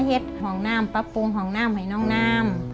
เห็ดห้องน้ำปรับปรุงห้องน้ำให้น้องน้ำ